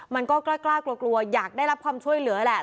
มันก็กล้ากลัวกลัวอยากได้รับความช่วยเหลือแหละ